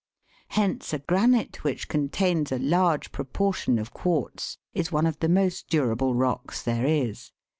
Hence a granite which contains a large proportion of quartz is one of the most durable rocks there is.